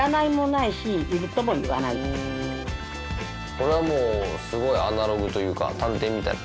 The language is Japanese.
これはもうすごいアナログというか探偵みたいな。